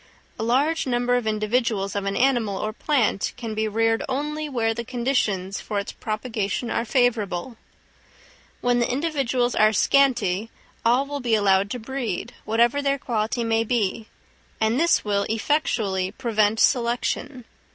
A large number of individuals of an animal or plant can be reared only where the conditions for its propagation are favourable. When the individuals are scanty all will be allowed to breed, whatever their quality may be, and this will effectually prevent selection.